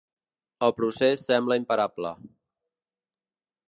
El procés sembla imparable.